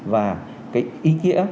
và cái ý nghĩa